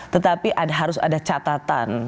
tetapi harus ada catatan